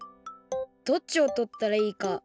どっちをとったらいいか